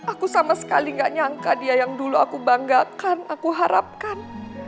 aku sama sekali gak nyangka dia yang dulu aku banggakan aku harapkan